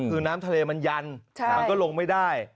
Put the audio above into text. คือน้ำทะเลมันยันมันก็ลงไม่ได้